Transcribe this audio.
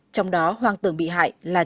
trong đó hoang tưởng bị hại là